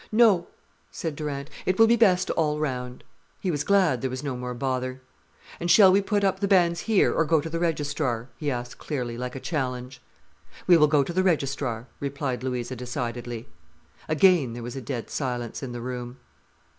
"No," said Durant. "It will be best all round." He was glad there was no more bother. "And shall we put up the banns here or go to the registrar?" he asked clearly, like a challenge. "We will go to the registrar," replied Louisa decidedly. Again there was a dead silence in the room.